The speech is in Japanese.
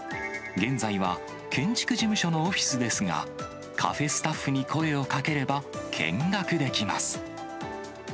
現在は建築事務所のオフィスですが、カフェスタッフに声をかければ、見学できます。